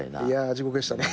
地獄でしたね。